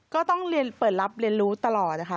ก็ต้องเปิดรับเรียนรู้ตลอดค่ะ